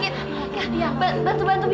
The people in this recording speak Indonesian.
ya bantu bantu bi